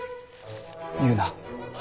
言うな。